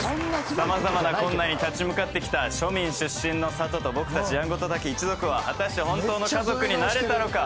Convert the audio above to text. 様々な困難に立ち向かってきた庶民出身の佐都と僕たちやんごとなき一族は果たして本当の家族になれたのか？